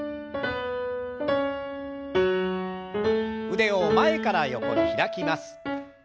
腕を前から横に開きます。